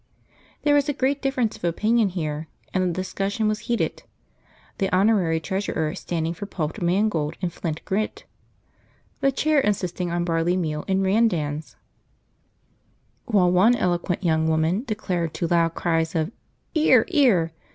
There was a great difference of opinion here and the discussion was heated; the honorary treasurer standing for pulped mangold and flint grit, the chair insisting on barley meal and randans, while one eloquent young woman declared, to loud cries of "'Ear, 'ear!"